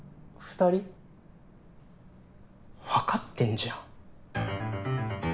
わかってんじゃん。